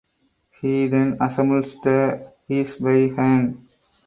He then assembles the piece by hand.